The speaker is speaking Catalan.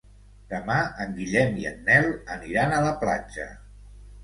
Demà en Guillem i en Nel aniran a la platja.